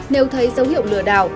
nếu thấy dấu hiệu lừa đảo